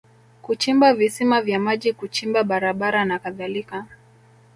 kuchimba visima vya maji kuchimba barabara na kadhalika